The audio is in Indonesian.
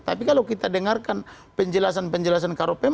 tapi kalau kita dengarkan penjelasan penjelasan karopem